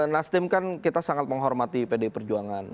nasdem kan kita sangat menghormati pdi perjuangan